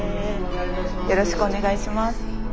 よろしくお願いします。